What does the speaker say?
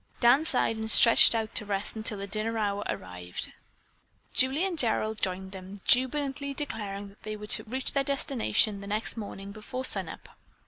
Dan sighed and stretched out to rest until the dinner hour arrived. Julie and Gerald joined them, jubilantly declaring that they were to reach their destination the next morning before sun up.